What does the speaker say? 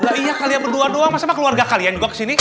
lah iya kalian berdua doang masa keluarga kalian juga kesini